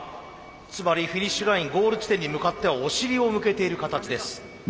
つまりフィニッシュラインゴール地点に向かってはお尻を向けている形です。